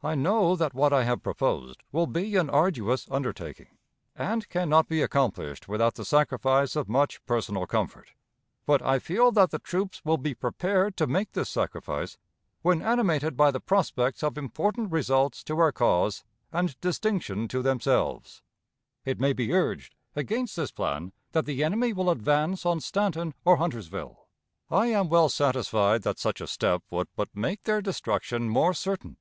I know that what I have proposed will be an arduous undertaking, and can not be accomplished without the sacrifice of much personal comfort, but I feel that the troops will be prepared to make this sacrifice when animated by the prospects of important results to our cause and distinction to themselves. It may be urged, against this plan, that the enemy will advance on Staunton or Huntersville. I am well satisfied that such a step would but make their destruction more certain.